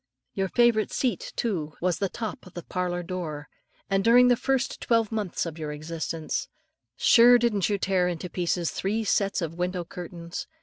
Your favourite seat, too, was the top of the parlour door; and during the first twelve months of your existence, sure didn't you tear to pieces three sets of window curtains?